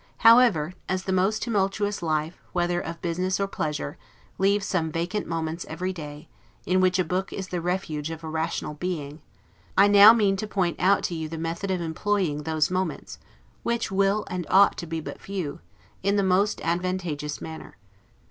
However, as the most tumultuous life, whether of business or pleasure, leaves some vacant moments every day, in which a book is the refuge of a rational being, I mean now to point out to you the method of employing those moments (which will and ought to be but few) in the most advantageous manner.